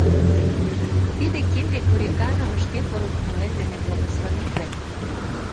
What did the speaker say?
Тиде кинде куриканам шке поро кумылет дене благословитле.